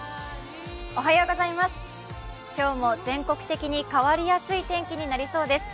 今日も全国的に変わりやすい天気となりそうです。